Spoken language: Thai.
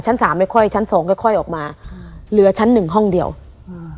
ชั้นสามไม่ค่อยชั้นสองค่อยค่อยออกมาอ่าเหลือชั้นหนึ่งห้องเดียวอืม